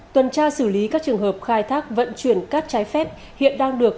tuần tra xử lý các trường hợp khai thác vận chuyển cát trái phép hiện đang được